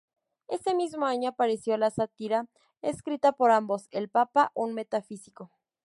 Ese mismo año apareció la sátira escrita por ambos "El Papa, un metafísico".